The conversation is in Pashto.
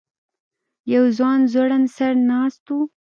یو ځوان ځوړند سر ناست و.